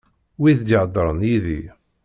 Wid d-iheddren yid-i.